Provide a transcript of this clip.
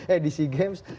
eh di sea games